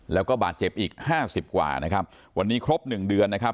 แล้วก็บาดเจ็บอีกห้าสิบกว่านะครับวันนี้ครบหนึ่งเดือนนะครับ